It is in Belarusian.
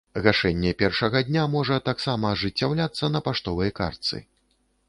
Гашэнне першага дня можа таксама ажыццяўляцца на паштовай картцы.